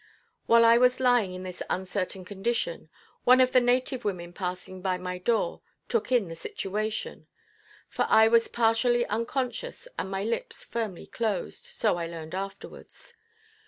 While I was lying in this uncertain condition, one of the native women passing by my door took in the situation; for I was partially unconscious and my lips firmly closed, so I learned afterwards.